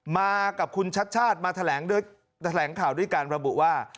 มากับคุณชัชชาศมาแถลงด้วยแถลงข่าวด้วยการบรรบุว่า